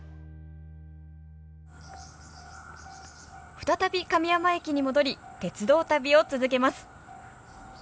再び神山駅に戻り鉄道旅を続けます。